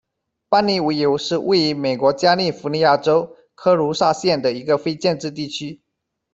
邦妮维尤是位于美国加利福尼亚州科卢萨县的一个非建制地区。